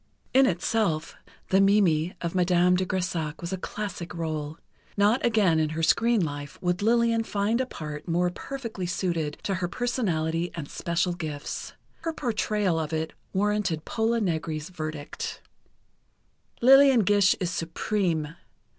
In itself, the Mimi of Madame de Grésac was a classic rôle. Not again in her screen life would Lillian find a part more perfectly suited to her personality and special gifts. Her portrayal of it warranted Pola Negri's verdict: "Lillian Gish is supreme.